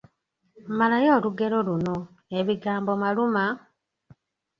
Malayo olugero luno: Ebigambo maluma, …..